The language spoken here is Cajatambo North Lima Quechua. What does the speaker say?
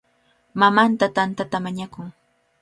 Mamanta tantata mañakun.